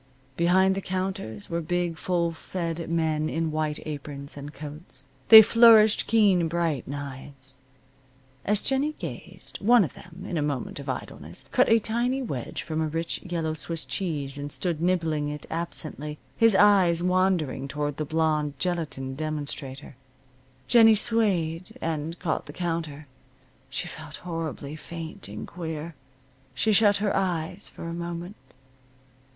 Behind the counters were big, full fed men in white aprons, and coats. They flourished keen bright knives. As Jennie gazed, one of them, in a moment of idleness, cut a tiny wedge from a rich yellow Swiss cheese and stood nibbling it absently, his eyes wandering toward the blonde gelatine demonstrator. Jennie swayed, and caught the counter. She felt horribly faint and queer. She shut her eyes for a moment.